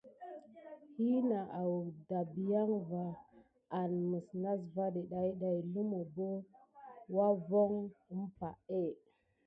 Hina awək dabiaŋ va anməs nasvaɗé ɗayɗay, lumu bo wavoŋ əmpahé.